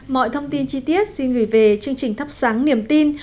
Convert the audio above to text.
mọi thông tin chi tiết xin gửi về chương trình thắp sáng niềm tin